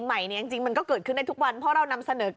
อะไรอยู่กัน